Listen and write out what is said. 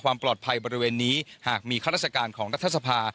ความปลอดภัยบริเวณนี้หากมีข้าราชการของรัฐทธรรพา